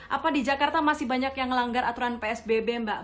apa di jakarta masih banyak yang melanggar aturan psbb mbak